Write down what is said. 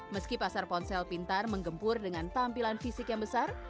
meski pasar ponsel pintar menggempur dengan tampilan fisik yang besar